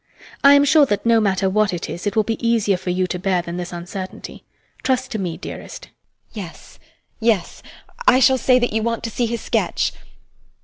I am sure that no matter what it is, it will be easier for you to bear than this uncertainty. Trust to me, dearest. SONIA. Yes, yes. I shall say that you want to see his sketch.